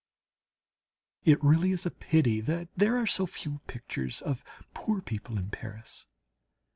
It really is a pity that there are so few pictures of poor people in Paris.